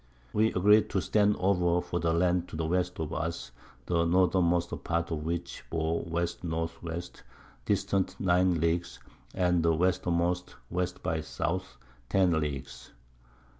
We agreed to stand over for the Land to the Westward of us, the Northermost part of which bore W. N. W. distant 9 Leagues, and the Westermost W. by S. 10 Leagues.